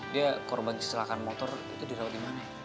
dia korban kesalahan motor itu dirawat dimana